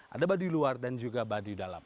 ada baduy luar dan juga baduy dalam